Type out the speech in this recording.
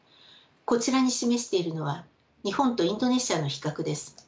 こちらに示しているのは日本とインドネシアの比較です。